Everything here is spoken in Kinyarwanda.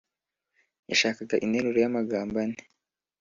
Yashakaga interuro y’amagambo ane